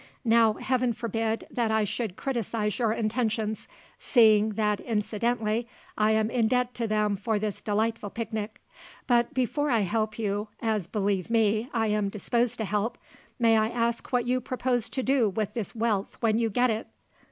Now, Heaven forbid that I should criticise your intentions, seeing that incidentally I am in debt to them for this delightful picnic; but before I help you as, believe me, I am disposed to help may I ask what you propose to do with this wealth when you get it?"